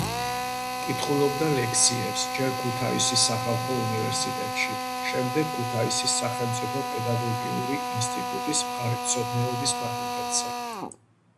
კითხულობდა ლექციებს ჯერ ქუთაისის სახალხო უნივერსიტეტში, მერე ქუთაისის სახელმწიფო პედაგოგიური ინსტიტუტის მხარეთმცოდნეობის ფაკულტეტზე.